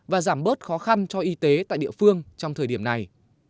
và giảm bớt khó khăn cho y tế tại địa phương trong thời điểm này